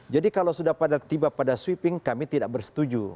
jadi kalau sudah tiba pada sweeping kami tidak bersetuju